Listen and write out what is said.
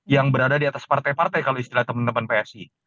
yang berada di atas partai partai kalau istilah teman teman psi